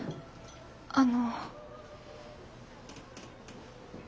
あの。